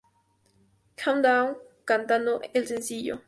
Countdown" cantando el sencillo.